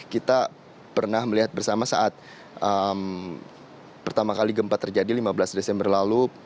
kita pernah melihat bersama saat pertama kali gempa terjadi lima belas desember lalu